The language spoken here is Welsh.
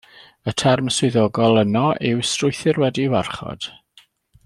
Y term swyddogol yno yw strwythur wedi'i warchod.